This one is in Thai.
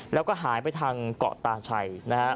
แล้วก็หายไปทางเกาะตาไชย